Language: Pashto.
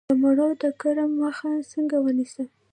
د مڼو د کرم مخه څنګه ونیسم؟